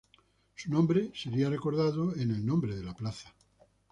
Su nombre sería recordado en el nombre de la plaza.